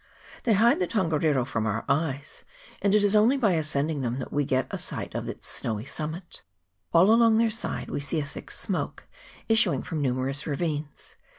They hide the Tongariro from our eyes, and it is only by ascending them that we get a sight of its snowy summit. All along their side we see a thick smoke issuing from numerous ravines